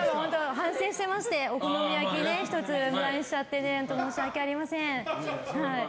反省してましてお好み焼きね、１つ無駄にしちゃって申し訳ありません。